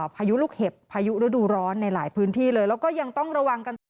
พายุลูกเห็บพายุฤดูร้อนในหลายพื้นที่เลยแล้วก็ยังต้องระวังกันต่อ